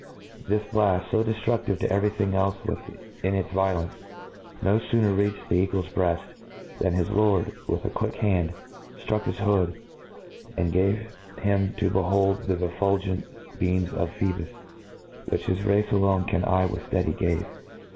^ This blaft, fo dcftruftive to every thing elfe with hi its violence,, no fooner reached the eagle's bread, than his lotd, with a quick haoid, ftruck his hood, and gave him tb behold the refidgent beams lof Phoebus, which his race alone can eye with fteady gaac.